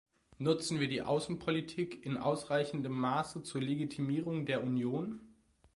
Nutzen wir die Außenpolitik in ausreichendem Maße zur Legitimierung der Union?